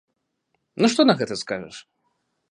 Ну што на гэта скажаш?